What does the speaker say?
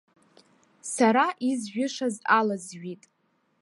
Сара изжәышаз алазжәит.